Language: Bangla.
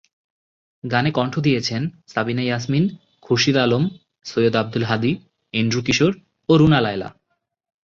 গানে কণ্ঠ দিয়েছেন সাবিনা ইয়াসমিন, খুরশিদ আলম, সৈয়দ আব্দুল হাদী, এন্ড্রু কিশোর ও রুনা লায়লা।